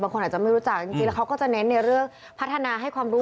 คนอาจจะไม่รู้จักจริงแล้วเขาก็จะเน้นในเรื่องพัฒนาให้ความรู้